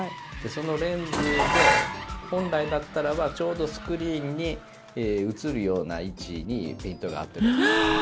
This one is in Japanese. そのレンズで、本来だったらばちょうどスクリーンに映るような位置にピントが合っているわけですよね。